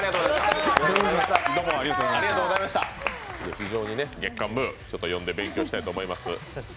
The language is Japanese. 非常にね、月刊「ムー」読んで勉強したいと思います。